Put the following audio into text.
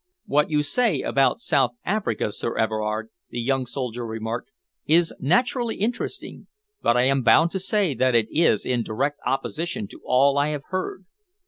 "What you say about South Africa, Sir Everard," the young soldier remarked, "is naturally interesting, but I am bound to say that it is in direct opposition to all I have heard."